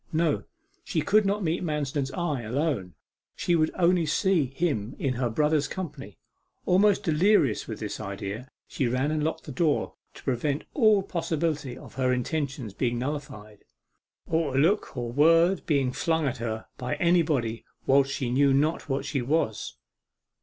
No; she could not meet Manston's eye alone, she would only see him in her brother's company. Almost delirious with this idea, she ran and locked the door to prevent all possibility of her intentions being nullified, or a look or word being flung at her by anybody whilst she knew not what she was.